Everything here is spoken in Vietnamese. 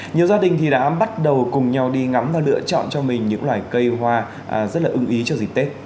nhiều gia đình đã bắt đầu cùng nhau đi ngắm và lựa chọn cho mình những loại cây hoa rất ứng ý cho dịp tết